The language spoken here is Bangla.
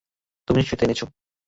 তুমিই নিশ্চয় এটা এনেছো।